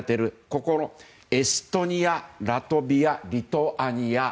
ここのエストニアラトビア、リトアニア